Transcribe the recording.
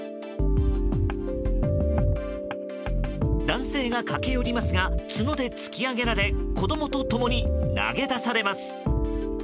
男性が駆け寄りますが角で突き上げられ子供と共に投げ出されます。